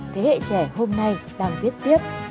thế hệ trẻ hôm nay đang viết tiếp